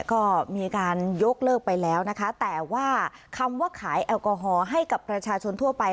ก็มีการยกเลิกไปแล้วนะคะแต่ว่าคำว่าขายแอลกอฮอล์ให้กับประชาชนทั่วไป